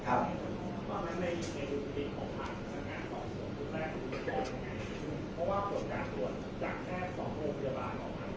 แต่ว่าไม่มีปรากฏว่าถ้าเกิดคนให้ยาที่๓๑